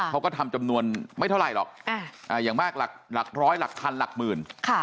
เขาก็ทำจำนวนไม่เท่าไหร่หรอกอย่างมากหลักร้อยหลักพันหลักหมื่น